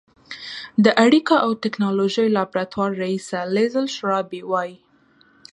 د اړیکو او ټېکنالوژۍ لابراتوار رییسه لیزل شرابي وايي